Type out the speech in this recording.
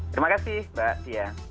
terima kasih mbak